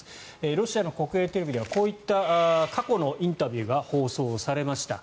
ロシアの国営テレビではこういった過去のインタビューが放送されました。